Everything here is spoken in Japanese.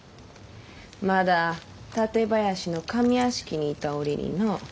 まだ館林の上屋敷にいた折にの。